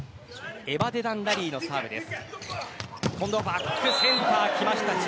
エバデダン・ラリーのサーブです。